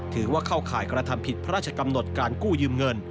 ถือว่าเข้าข่ายกระทำผิดพระราชกำหนดการกู้ยืมเงิน